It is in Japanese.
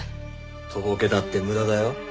とぼけたって無駄だよ。